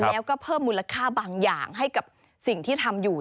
แล้วก็เพิ่มมูลค่าบางอย่างให้กับสิ่งที่ทำอยู่